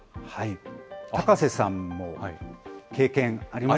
高瀬さんも経験あります？